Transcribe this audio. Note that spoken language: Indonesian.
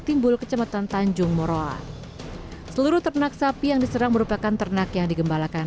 timbul kecamatan tanjung moroa seluruh ternak sapi yang diserang merupakan ternak yang digembalakan